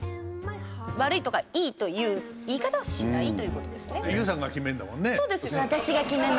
悪いとか、いいという言い方はしないということですね。